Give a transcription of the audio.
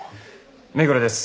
目黒です。